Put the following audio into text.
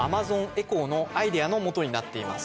エコーのアイデアのもとになっています。